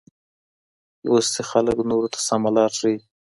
لوستي خلګ نورو ته سمه لار ښيي.